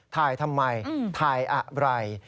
ทำไมถ่ายอะไร